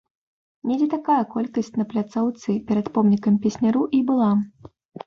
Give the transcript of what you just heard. Недзе такая колькасць на пляцоўцы перад помнікам песняру і была.